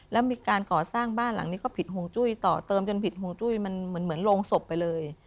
แล้วมีการก่อสร้างบ้านหลังนี้ก็ผิดห่วงจุ้ยต่อเติมจนผิดห่วงจุ้ยมันเหมือนโรงศพไปเลย